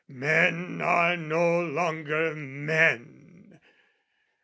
Men are no longer men!